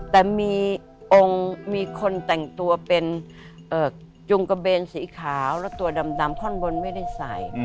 แต่มีองค์มีคนแต่งตัวเป็นจุงกระเบนสีขาวและตัวดำท่อนบนไม่ได้ใส่